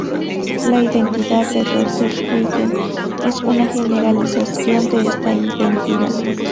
La identidad de Rothe-Hagen es una generalización de esta identidad.